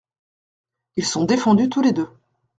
Ils sont défendus tous les deux.